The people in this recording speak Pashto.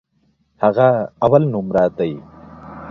هغه اولنومره دی.